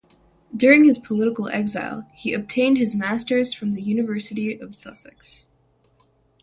During his political exile, he obtained his Master's from the University of Sussex.